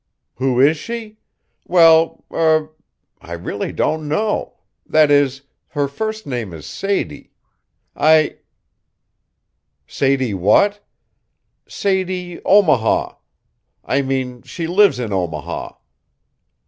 Who is she? Well, er, I really don't know that is, her first name is Sadie. I Sadie what? Sadie Omaha I mean she lives in Omaha.